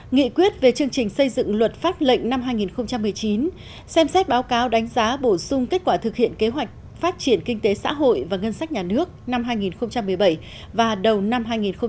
nghị quyết về chương trình xây dựng luật pháp lệnh năm hai nghìn một mươi chín xem xét báo cáo đánh giá bổ sung kết quả thực hiện kế hoạch phát triển kinh tế xã hội và ngân sách nhà nước năm hai nghìn một mươi bảy và đầu năm hai nghìn một mươi tám